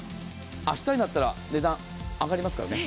明日になったら値段、上がりますからね。